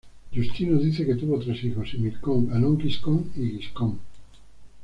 Justino dice que tuvo tres hijos: Himilcón, Hannón Giscón y Giscón.